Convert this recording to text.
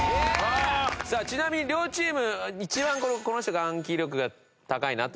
さあちなみに両チーム一番この人が暗記力が高いなという人は。